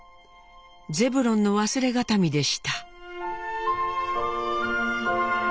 ゼブロンの忘れ形見でした。